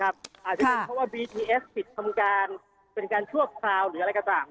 ละเอาว่าสิ้นขำการเป็นการชวบซาวหรืออะไรก็ต่ำ